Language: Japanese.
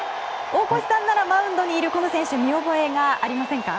大越さんならマウンドにいるこの選手見覚えがありませんか？